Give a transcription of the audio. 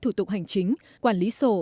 thủ tục hành chính quản lý sổ